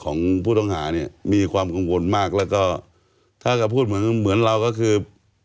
ของผู้ต้องหาเนี่ยมีความกังวลมากแล้วก็ถ้าเขาพูดเหมือนเหมือนเราก็คือ